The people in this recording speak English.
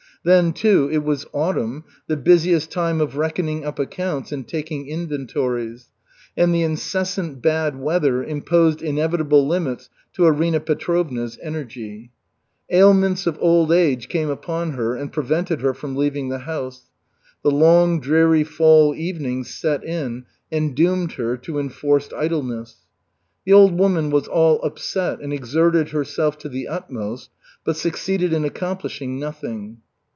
Then, too, it was autumn, the busiest time of reckoning up accounts and taking inventories, and the incessant bad weather imposed inevitable limits to Arina Petrovna's energy. Ailments of old age came upon her and prevented her from leaving the house. The long dreary fall evenings set in and doomed her to enforced idleness. The old woman was all upset and exerted herself to the utmost, but succeeded in accomplishing nothing.